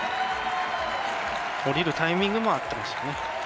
降りるタイミングも合ってますよね。